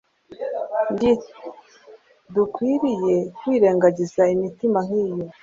Ntidukwiriye kwirengagiza imitima nk'iyo.